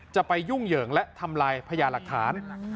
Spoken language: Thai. ไปยุ่งเหยิงและทำลายพญาหลักฐาน